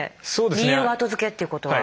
理由が後付けっていうことは。